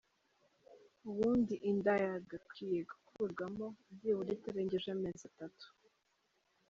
Ubundi inda yagakwiye gukurwamo byibura itarengeje amezi atatu.